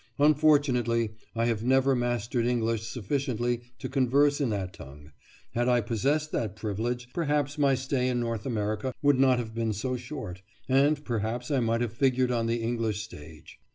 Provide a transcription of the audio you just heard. Unfortunately I have never mastered English sufficiently to converse in that tongue; had I possessed that privilege, perhaps my stay in North America would not have been so short, and perhaps I might have figured on the English stage.